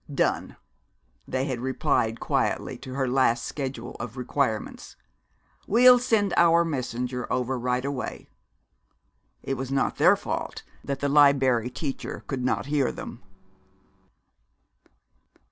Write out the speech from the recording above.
"Done!" they had replied quietly to her last schedule of requirements. "We'll send our messenger over right away." It was not their fault that the Liberry Teacher could not hear them.